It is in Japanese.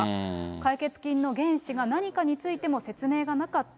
解決金の原資が何かについても説明がなかった。